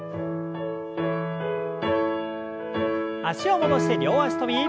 脚を戻して両脚跳び。